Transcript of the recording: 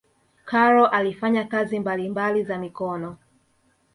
karol alifanya kazi mbalimbali za mikono